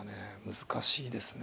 難しいですね。